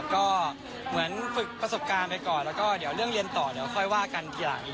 ก็เหมือนฝึกประสบการณ์ไปก่อนแล้วก็เดี๋ยวเรื่องเรียนต่อเดี๋ยวค่อยว่ากันทีหลังอีก